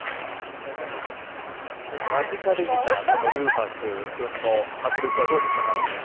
間近で見たルーファス君の迫力はどうでしたか？